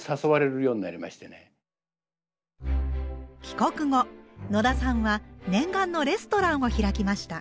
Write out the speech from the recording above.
帰国後野田さんは念願のレストランを開きました。